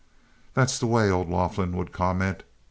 "That's the way," old Laughlin would comment.